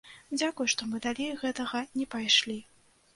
Дзякуй, што мы далей гэтага не пайшлі.